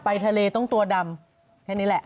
ทะเลต้องตัวดำแค่นี้แหละ